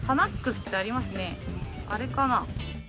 あれかな？